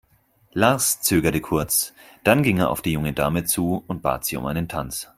Lars zögerte kurz, dann ging er auf die junge Dame zu und bat sie um einen Tanz.